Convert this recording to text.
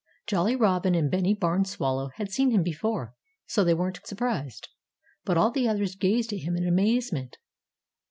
Jolly Robin and Bennie Barn Swallow had seen him before; so they weren't surprised. But all the others gazed at him in amazement.